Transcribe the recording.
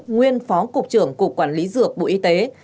nguyên phó cục trưởng cục quản lý dược bộ y tế